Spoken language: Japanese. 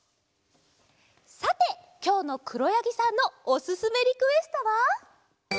さてきょうのくろやぎさんのおすすめリクエストは？